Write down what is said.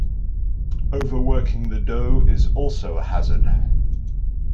Overworking the dough is also a hazard.